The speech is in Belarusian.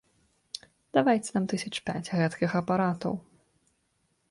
Давайце нам тысяч пяць гэткіх апаратаў.